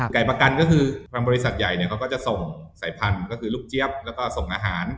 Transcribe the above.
ประกันก็คือทางบริษัทใหญ่เนี่ยเขาก็จะส่งสายพันธุ์ก็คือลูกเจี๊ยบแล้วก็ส่งอาหาร